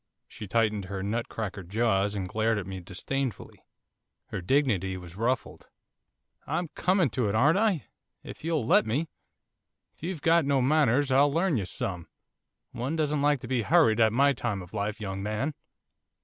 She tightened her nut cracker jaws and glared at me disdainfully, her dignity was ruffled. 'I'm coming to it, aren't I? if you'll let me. If you've got no manners I'll learn you some. One doesn't like to be hurried at my time of life, young man.